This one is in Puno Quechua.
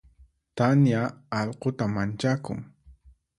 Tania allquta manchakun.